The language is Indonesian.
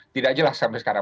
tidak jelas sampai sekarang